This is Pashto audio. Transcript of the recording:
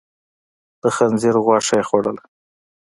د خنزير غوښه يې خوړله؟